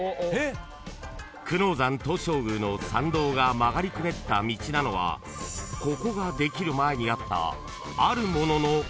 ［久能山東照宮の参道が曲がりくねった道なのはここができる前に］